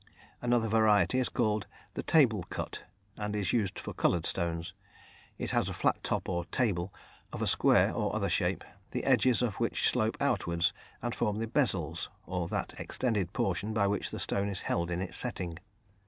Another variety is called the "table cut," and is used for coloured stones. It has a flat top or "table" of a square or other shape, the edges of which slope outwards and form the "bezils" or that extended portion by which the stone is held in its setting.